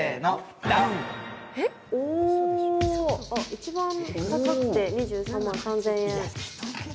一番高くて２３万３０００円。